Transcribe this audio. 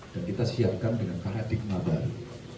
dan kita siapkan dengan paradigma baru